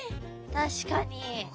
確かに。